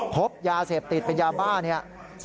พบยาเสพติดเป็นยาบ้าเนี่ย